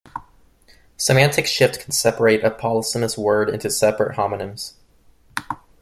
Semantic shift can separate a polysemous word into separate homonyms.